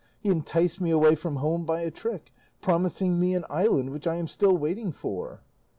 He enticed me away from home by a trick, promising me an island, which I am still waiting for."